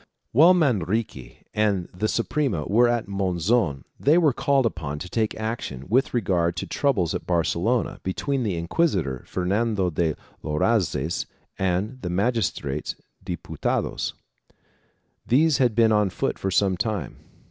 2 While Manrique and the Suprema were at Monzon, they were called upon to take action with regard to troubles at Barcelona between the inquisitor, Fernando de Loazes and the magistrates and Diputados. These had been on foot for some time.